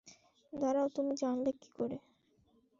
দাঁড়াও, তুমি জানলে কী করে?